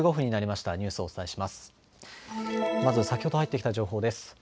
まず先ほど入ってきた情報です。